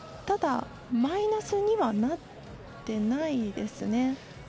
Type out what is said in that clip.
ただ、マイナスにはなっていないですね。